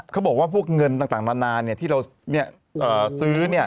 เขาบอกว่าพวกเงินต่างนานาที่เราซื้อ